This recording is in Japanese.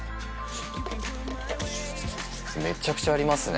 めっちゃくちゃありますね。